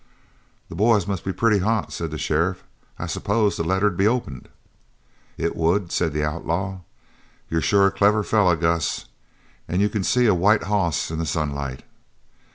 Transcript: "The boys must be pretty hot," said the sheriff. "I suppose the letter'd be opened." "It would," said the outlaw. "You're sure a clever feller, Gus. You c'n see a white hoss in the sunlight.